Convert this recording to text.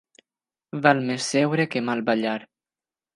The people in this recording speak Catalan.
Val més seure que mal ballar.